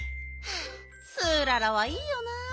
ツーララはいいよなあ。